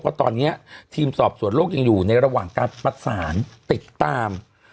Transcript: ว่าตอนนี้ทีมสอบสวนโลกยังอยู่ในระหว่างการประสานติดตาม